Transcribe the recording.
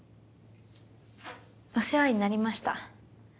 お世話になりました。